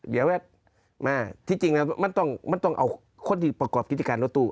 เดี๋ยวมาที่จริงแล้วมันต้องเอาคนที่ประกอบกิจการรถตู้